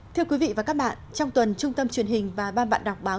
thưa quý vị và các bạn trong tuần trung tâm truyền hình và ban bạn đọc báo